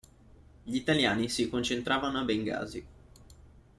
Gli italiani si concentravano a Bengasi.